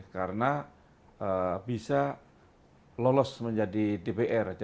karena bisa lolos menjadi dpr